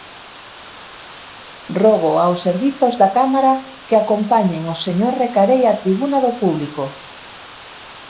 Rogo aos servizos da Cámara que acompañen o señor Recarei á tribuna do público.